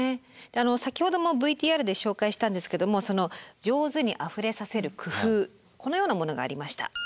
先ほどもＶＴＲで紹介したんですけども上手にあふれさせる工夫このようなものがありました。